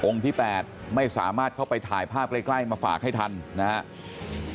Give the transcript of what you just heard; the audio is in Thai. ที่๘ไม่สามารถเข้าไปถ่ายภาพใกล้มาฝากให้ทันนะครับ